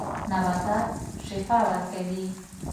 نباتات شفاء ورکوي.